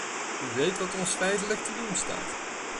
U weet wat ons feitelijk te doen staat.